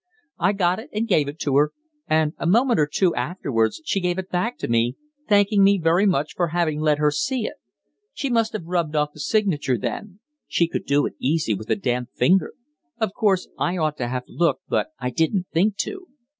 I got it and gave it to her, and a moment or two afterwards she gave it back to me, thanking me very much for having let her see it. She must have rubbed off the signature then. She could do it easy with a damp finger. Of course, I ought to have looked, but I didn't think to."